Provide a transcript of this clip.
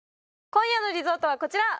今夜のリゾートはこちら！